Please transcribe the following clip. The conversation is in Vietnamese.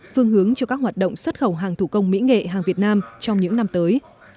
phương hướng cho các hoạt động xuất khẩu hàng thủ công mỹ nghệ hàng việt nam trong những năm tới